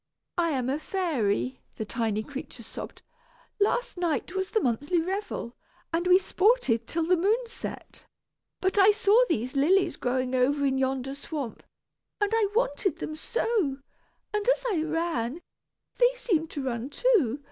"I am a fairy," the tiny creature sobbed. "Last night was the monthly revel, and we sported till the moon set. But I saw these lilies growing over in yonder swamp, and I wanted them so; and as I ran, they seemed to run too.